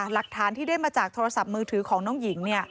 หลักฐานที่ได้มาจากโทรศัพท์มือถือของน้องหญิง